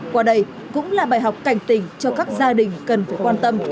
qua đây cũng là bài học cảnh tỉnh cho các gia đình cần phải quan tâm